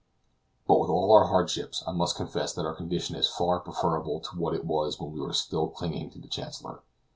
But with all our hardships I must confess that our condition is far preferable to what it was when we were still clinging to the Chancellor.